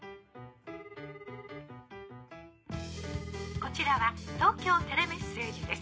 こちらは東京テレメッセージです。